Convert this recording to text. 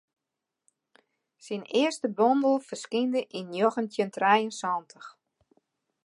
Syn earste bondel ferskynde yn njoggentjin trije en santich.